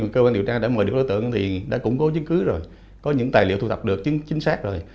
cơ quan điều tra đã mời được đối tượng thì đã củng cố chứng cứ rồi có những tài liệu thu thập được chính xác rồi